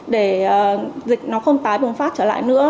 để dịch nó không tái bùng phát trở lại nữa